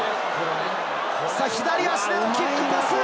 左足のキックパス！